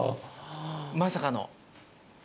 まさかの。